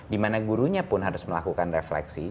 dimana gurunya pun harus melakukan refleksi